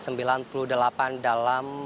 dalam kegiatan yang tersebut